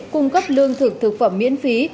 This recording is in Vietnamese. cung cấp lương thực thực phẩm miễn phí